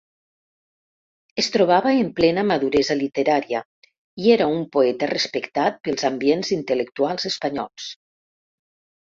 Es trobava en plena maduresa literària i era un poeta respectat pels ambients intel·lectuals espanyols.